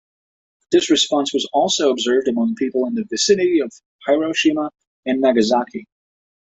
This response was also observed among people in the vicinity of Hiroshima and Nagasaki.